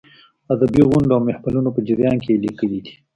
ادبي غونډو او محفلونو په جریان کې یې لیکلې دي.